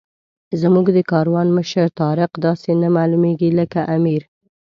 زموږ د کاروان مشر طارق داسې نه معلومېږي لکه امیر.